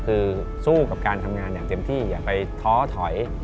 คือสู้กับการทำงานอย่างเต็มที่อย่าไปท้อถอย